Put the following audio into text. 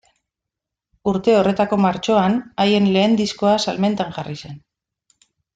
Urte horretako martxoan, haien lehen diskoa salmentan jarri zen.